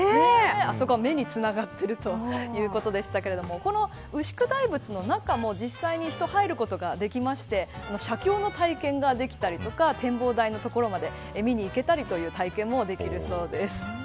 あそこは目につながっているということでしたが牛久大仏の中も実際に人が入ることができまして写経の体験ができたり展望台の所まで見に行けたりという体験もできるそうです。